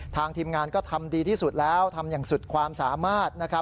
ทีมงานก็ทำดีที่สุดแล้วทำอย่างสุดความสามารถนะครับ